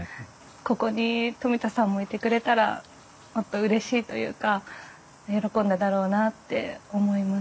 ここに冨田さんもいてくれたらもっとうれしいというか喜んだだろうなって思います。